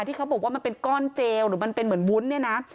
ที่เขาบอกว่ามันเป็นก้อนเจลหรือมันเป็นเหมือนวุ้นเนี่ยนะ